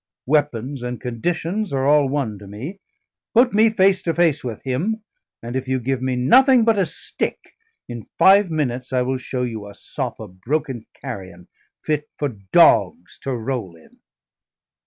Weapons and conditions are all one to me; put me face to face with him, and if you give me nothing but a stick, in five minutes I will show you a sop of broken carrion, fit for dogs to roll in."